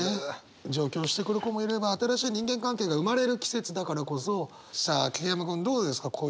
上京してくる子もいれば新しい人間関係が生まれる季節だからこそさあ桐山君どうですか？